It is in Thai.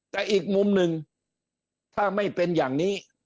แต่อีกมุมหนึ่งถ้าไม่เป็นอย่างนี้